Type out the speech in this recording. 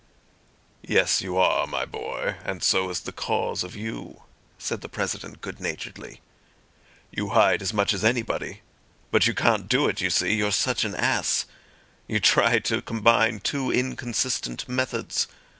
"Yes you are, my boy, and so is the cause of you," said the President good naturedly. "You hide as much as anybody; but you can't do it, you see, you're such an ass! You try to combine two inconsistent methods.